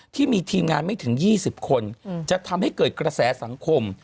ที่มีทีมงานไม่ถึง๒๐คนจะทำให้เกิดกระแสสังคม